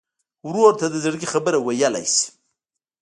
ورور ته د زړګي خبره ویلی شې.